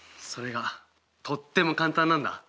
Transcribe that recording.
それがとっても簡単なんだ。